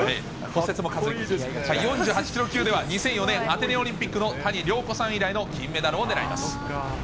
４８キロ級では２００４年アテネオリンピックの谷亮子さん以来の金メダルを狙います。